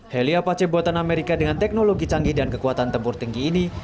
heli apache buatan amerika dengan teknologi canggih dan kekuatan tempur tinggi ini